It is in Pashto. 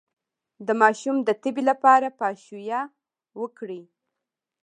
د ماشوم د تبې لپاره پاشویه وکړئ